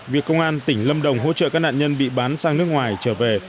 việc công an tỉnh lâm đồng hỗ trợ các nạn nhân bị bán sang nước ngoài trở về